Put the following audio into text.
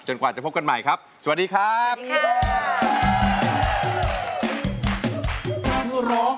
กว่าจะพบกันใหม่ครับสวัสดีครับ